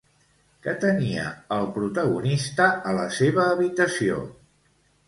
Què tenia el protagonista a la seva habitació?